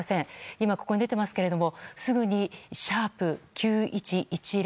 今、ここに出ていますがすぐに♯９１１０